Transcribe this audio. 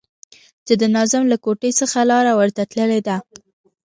چې د ناظم له کوټې څخه لاره ورته تللې ده.